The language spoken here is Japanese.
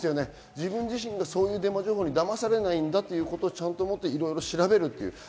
自分自身がそういうデマ情報にだまされないということを持って、いろいろ調べる。